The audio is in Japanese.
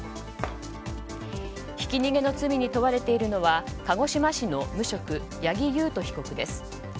ひき逃げの罪に問われているのは鹿児島市の無職八木優斗被告です。